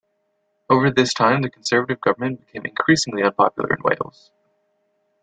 Over this time, the Conservative government became increasingly unpopular in Wales.